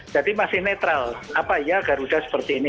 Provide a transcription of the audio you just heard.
jadi masih netral apanya garuda seperti ini